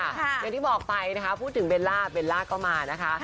อย่างที่บอกไปนะคะพูดถึงเบลล่าเบลล่าก็มานะคะ